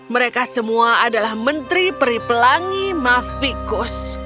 mereka semua adalah menteri peri pelangi mavikus